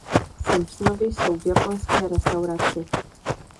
Simpsonovi jsou v japonské restauraci.